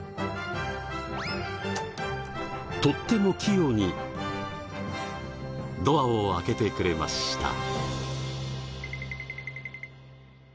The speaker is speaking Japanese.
とっても器用にドアを開けてくれました。